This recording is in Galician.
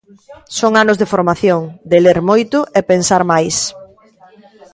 Son anos de formación, de ler moito e pensar máis.